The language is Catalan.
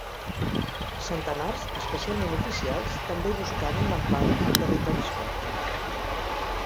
Centenars, especialment oficials, també buscaren l’empara al territori suec.